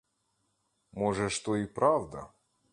Може ж, то і правда?